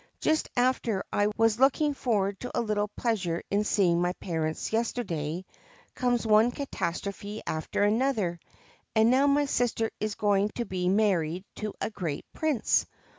' Just after I was looking forward to a little pleasure in seeing my parents yesterday, comes one catastrophe on another ; and now my sister is going to be married to a great Prince.